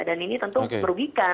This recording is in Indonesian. dan ini tentu merugikan